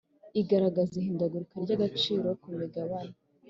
igaragaza ihindagurika ry agaciro k imigabane